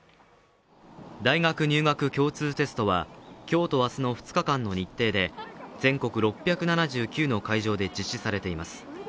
大学入学共通テストは今日と明日の２日間の日程で全国６７９の会場で実施されています